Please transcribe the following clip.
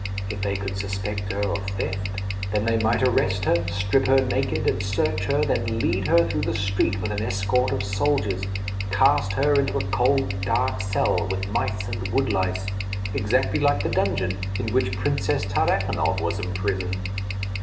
If they could suspect her of theft, then they might arrest her, strip her naked, and search her, then lead her through the street with an escort of soldiers, cast her into a cold, dark cell with mice and woodlice, exactly like the dungeon in which Princess Tarakanov was imprisoned.